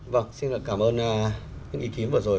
vâng xin cảm ơn những ý kiến vừa rồi